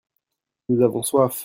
nous avons soif.